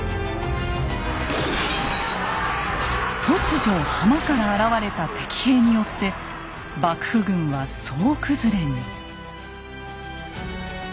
突如浜から現れた敵兵によって幕府軍は総崩れに。